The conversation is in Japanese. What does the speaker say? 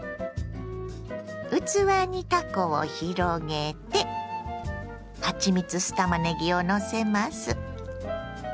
器にたこを広げてはちみつ酢たまねぎをのせます。